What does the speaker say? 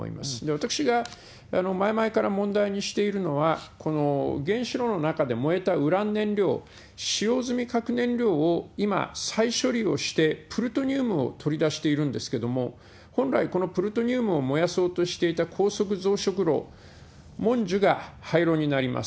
私が前々から問題にしているのは、この原子炉の中で燃えたウラン燃料、使用済み核燃料を今、再処理をしてプルトニウムを取り出しているんですけれども、本来、このプルトニウムを燃やそうとしていた高速増殖炉もんじゅが廃炉になります。